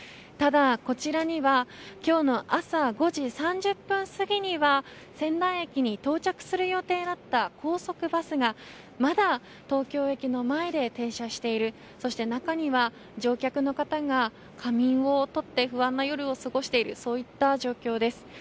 ただ、こちらには今日の朝５時３０分すぎには仙台駅に到着する予定だった高速バスがまだ東京駅の前で停車しているそして中には、乗客の方が仮眠を取って不安な夜を過ごしている状況です。